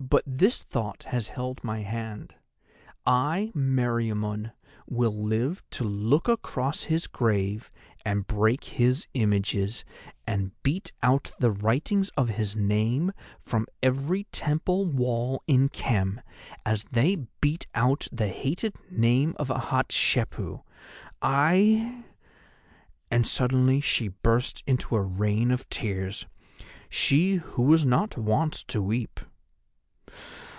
But this thought has held my hand: I, Meriamun, will live to look across his grave and break his images, and beat out the writings of his name from every temple wall in Khem, as they beat out the hated name of Hatshepu. I——' and suddenly she burst into a rain of tears; she who was not wont to weep.